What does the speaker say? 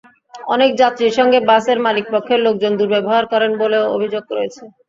অনেক যাত্রীর সঙ্গে বাসের মালিকপক্ষের লোকজন দুর্ব্যবহার করেন বলেও অভিযোগ রয়েছে।